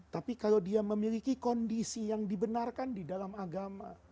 tapi kalau dia memiliki kondisi yang dibenarkan di dalam agama